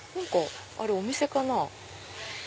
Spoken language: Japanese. あれお店かな？